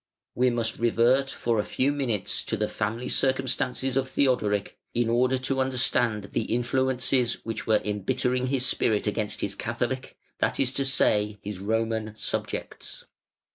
We must revert for a few minutes to the family circumstances of Theodoric, in order to understand the influences which were embittering his spirit against his Catholic that is to say, his Roman subjects.